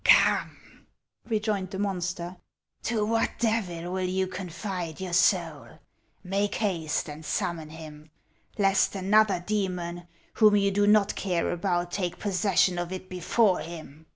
" Come !" rejoined the monster, "to what devil will you confide your soul ? Make haste and summon him, lest another demon whom you do not care about, take posses sion of it before him."